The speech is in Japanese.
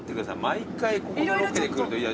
毎回ここのロケに来ると。